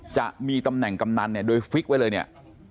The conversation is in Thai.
จะมีตำแหน่งกำนั้นโดยฆ่ะไว้เลย๒